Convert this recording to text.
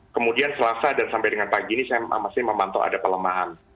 kemudian selasa dan sampai dengan pagi ini saya masih memantau ada kelemahan